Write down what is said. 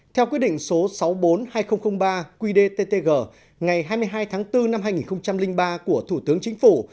theo quyết định số sáu trăm bốn mươi hai nghìn ba qdttg ngày hai mươi hai tháng bốn năm hai nghìn ba của thủ tướng chính phủ